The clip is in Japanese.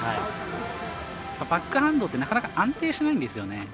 バックハンドってなかなか安定しないんですよね。